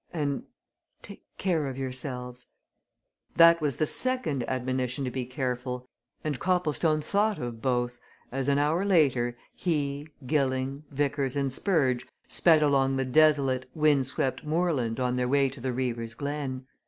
And take care of yourselves!" That was the second admonition to be careful, and Copplestone thought of both, as, an hour later, he, Gilling, Vickers and Spurge sped along the desolate, wind swept moorland on their way to the Reaver's Glen.